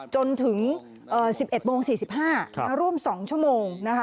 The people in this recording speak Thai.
จนถึง๑๑โมง๔๕ร่วม๒ชั่วโมงนะคะ